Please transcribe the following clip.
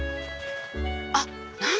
あっ！